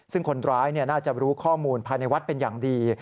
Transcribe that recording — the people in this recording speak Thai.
ซึ่งคนร้ายน่าจะรู้ข้อมูลภายในวัดเป็นอย่างดี